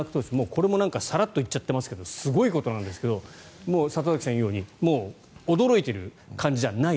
これもさらっと言っちゃっていますがすごいことなんですけど里崎さんが言うようにもう驚いている感じじゃない。